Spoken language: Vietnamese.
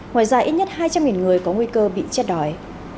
ngoài ra ít nhất hai trăm linh người có nguy cơ bị chết đói